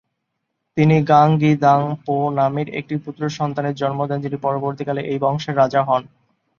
তিনি ঙ্গাগ-গি-দ্বাং-পো নামের একটি পুত্রসন্তানের জন্ম দেন যিনি পরবর্তীকালে এই বংশের রাজা হন।